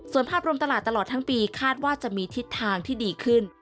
ส่วนภาพรวมตลาดตลอดทั้งปีคาดว่าจะมีทิศทางที่ดีขึ้น